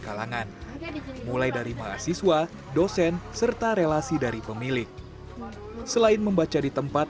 kalangan mulai dari mahasiswa dosen serta relasi dari pemilik selain membaca di tempat